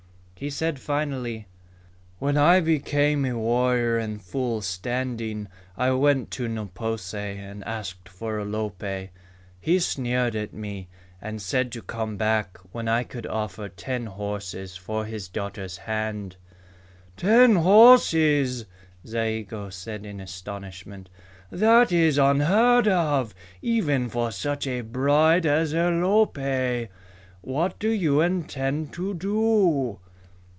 He said finally, "When I became a warrior in full standing, I went to Ne po se and asked for Alope. He sneered at me, and said to come back when I could offer ten horses for his daughter's hand." "Ten horses!" Zayigo said in astonishment. "That is unheard of, even for such a bride as Alope! What do you intend to do?"